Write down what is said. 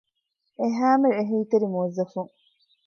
އެހައިމެ އެހީތެރި މުވައްޒަފުން